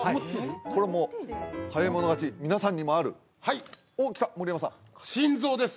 これもう早い者勝ち皆さんにもあるはいおっ来た盛山さん心臓です